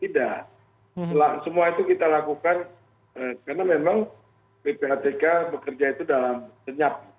tidak semua itu kita lakukan karena memang ppatk bekerja itu dalam senyap